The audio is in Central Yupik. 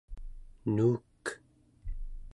nuuk